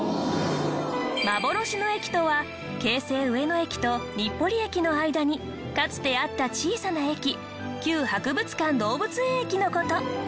幻の駅とは京成上野駅と日暮里駅の間にかつてあった小さな駅旧博物館動物園駅の事。